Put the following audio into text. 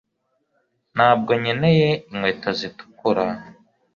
ntabwo nkeneye inkweto zitukura